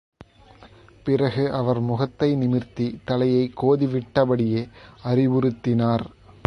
பிறகு, அவர் முகத்தை நிமிர்த்தி, தலையைக் கோதிவிட்டபடியே அறிவுறுத்தினார்.